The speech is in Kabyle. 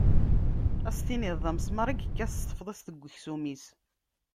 Ad as-tinid d amesmar i yekkat s tefḍist deg uksum-iw.